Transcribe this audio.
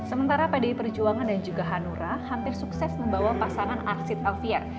sementara pdi perjuangan dan juga hanura hampir sukses membawa pasangan arsid alfian